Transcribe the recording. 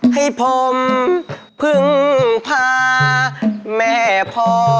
ให้ผมพึ่งพาแม่พ่อ